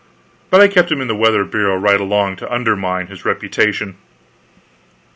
But I kept him in the weather bureau right along, to undermine his reputation.